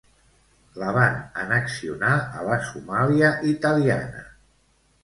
La van annexionar a la Somàlia Italiana.